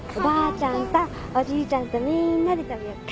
ちゃんとおじいちゃんとみーんなで食べようか。